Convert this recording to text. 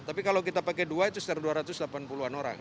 tapi kalau kita pakai dua itu secara dua ratus delapan puluh an orang